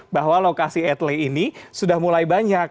bahwa lokasi etele ini sudah mulai banyak